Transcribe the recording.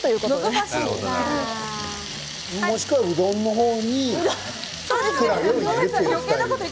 もしくは、うどんのほうにきくらげを。